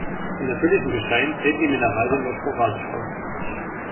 In natürlichem Gestein treten die Mineralien nur sporadisch auf.